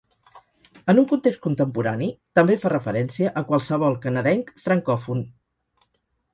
En un context contemporani, també fa referència a qualsevol canadenc francòfon.